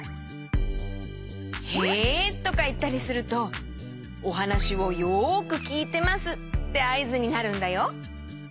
「へ」とかいったりするとおはなしをよくきいてますってあいずになるんだよ。